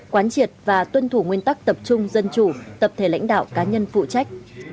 quán triệt và tuân thủ nguyên tắc tập trung dân chủ tập thể lãnh đạo cá nhân phụ trách